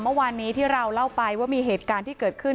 เมื่อวานนี้ที่เราเล่าไปว่ามีเหตุการณ์ที่เกิดขึ้น